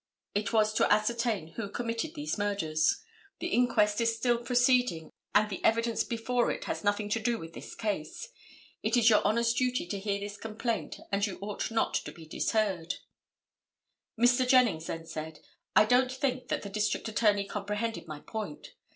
It was to ascertain who committed these murders. The inquest is still proceeding, and the evidence before it has nothing to do with this case. It is your Honor's duty to hear this complaint and you ought not to be deterred." Mr. Jennings then said: "I don't think that the District Attorney comprehended my point.